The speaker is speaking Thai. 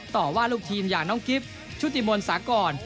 ต่อว่าลูกทีมอย่างน้องกิฟต์ชุติมนต์สากร